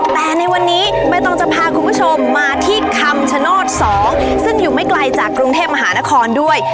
แต่ในวันนี้ใบตองจะพาคุณผู้ชมมาที่คำชโนธ๒ซึ่งอยู่ไม่ไกลจากกรุงเทพมหานครด้วย